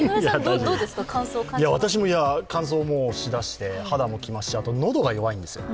私も乾燥しだして、肌も来ますし、あと喉が弱いんですよ。